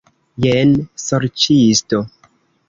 Jen, sorĉisto!